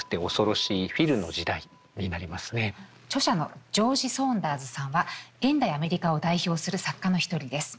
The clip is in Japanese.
著者のジョージ・ソーンダーズさんは現代アメリカを代表する作家の一人です。